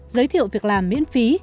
giới thiệu việc làm miễn phí